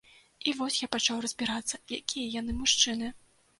І вось, я пачаў разбірацца, якія яны, мужчыны.